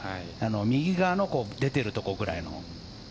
右側の出ているところぐらいの。